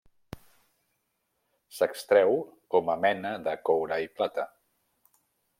S'extreu com a mena de coure i plata.